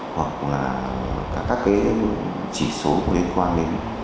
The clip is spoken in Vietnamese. hoặc là các chỉ số liên quan đến